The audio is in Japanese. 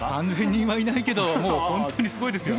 ３，０００人はいないけどもう本当にすごいですよね。